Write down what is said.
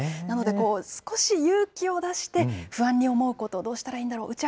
なので、少し勇気を出して、不安に思うこと、どうしたらいいんだろう？